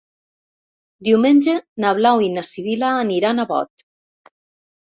Diumenge na Blau i na Sibil·la aniran a Bot.